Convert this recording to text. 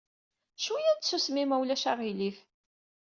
Cwiya n tsusmi, ma ulac aɣilif.